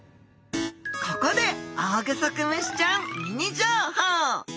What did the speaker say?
ここでオオグソクムシちゃんミニ情報！